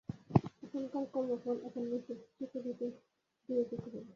এখানকার কর্মফল এখানেই নিঃশেষে চুকিয়ে দিয়ে যেতে হবে।